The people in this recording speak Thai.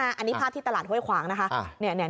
อันนี้ภาพที่ตลาดห้วยขวางนะคะ